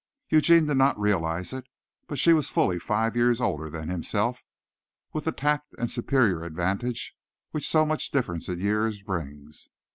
Eugene did not realize it, but she was fully five years older than himself, with the tact and the superior advantage which so much difference in years brings.